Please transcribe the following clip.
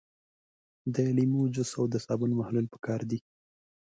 د لیمو جوس او د صابون محلول پکار دي.